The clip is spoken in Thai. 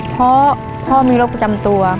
เพราะพ่อมีโรคประจำตัว